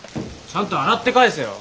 ちゃんと洗って返せよ。